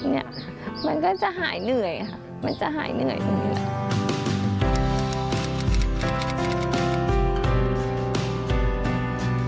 เนี่ยค่ะมันก็จะหายเหนื่อยค่ะมันจะหายเหนื่อยตรงนี้แหละ